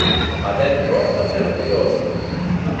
Μα δεν πρόφθασε να τελειώσει.